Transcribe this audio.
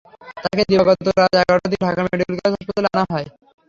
তাঁকে দিবাগত রাত একটার দিকে ঢাকা মেডিকেল কলেজ হাসপাতালে আনা হয়।